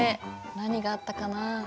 何があったかな？